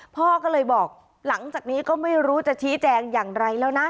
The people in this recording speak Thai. พ่อก็เลยบอกหลังจากนี้ก็ไม่รู้จะชี้แจงอย่างไรแล้วนะ